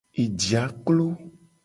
Ejia klo.